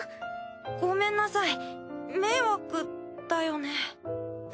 ゴメンなさい迷惑だよね？